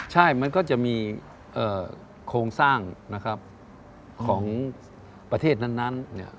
ใช่มันก็จะมีโครงสร้างนะครับของประเทศนั้น